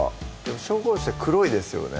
紹興酒って黒いですよね